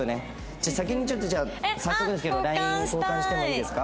じゃあ先にちょっとじゃあ早速ですけどＬＩＮＥを交換してもいいですか？